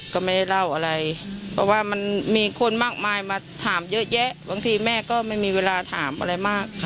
ก็ไม่เล่าอะไรตามหากันซึ่งตื่นต้นรักพฤตฤษฐิ